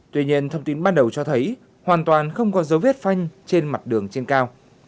tuy nhiên thông tin ban đầu cho thấy hoàn toàn không có dấu vết phanh trên mặt đường trên cao